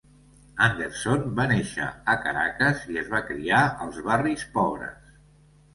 Anderson va néixer a Caracas i es va criar als barris pobres.